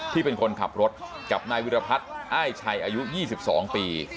ที่เป็นคนขับรถกับนายวิรพัฒน์อ้ายชัยอายุ๒๒ปี